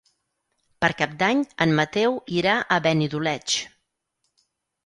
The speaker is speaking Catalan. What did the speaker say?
Per Cap d'Any en Mateu irà a Benidoleig.